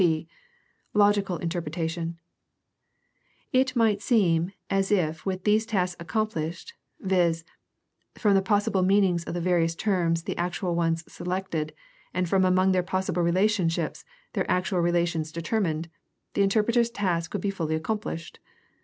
h) Logical interpretation. — It might seem as if with these tasks accomplished, viz., from the possible meanings of the various terms the actual ones selected and from among their possible relationships their actual relations determined, the interpreter's task would be fully accomplished.